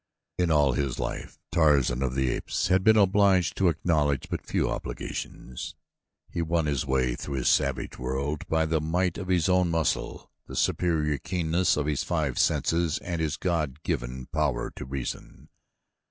In all his life Tarzan of the Apes had been obliged to acknowledge but few obligations. He won his way through his savage world by the might of his own muscle, the superior keenness of his five senses and his God given power to reason.